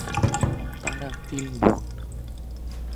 তারা তিন বোন।